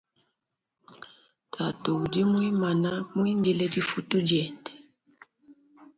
Tatu udi muimana muindile difutu diende.